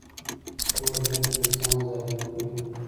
کوږ نیت انسان ظالم کوي